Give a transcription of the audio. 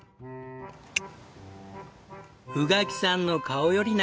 宇垣さんの顔より長い